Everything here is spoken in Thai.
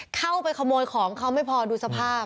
เข้าไปขโมยของเขาไม่พอดูสภาพ